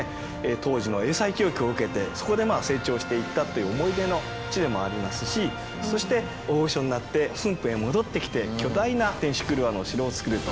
当時の英才教育を受けてそこでまあ成長していったという思い出の地でもありますしそして大御所になって駿府へ戻ってきて巨大な天守曲輪の城を造ると。